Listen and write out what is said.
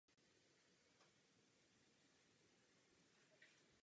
Toto je cena za nízkou režii viz výše.